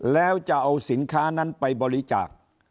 แล้วจะเอาสินค้านั้นไปบริจาค